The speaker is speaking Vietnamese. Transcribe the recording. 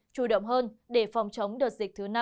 chủ động hơn để phòng chống đợt dịch thứ năm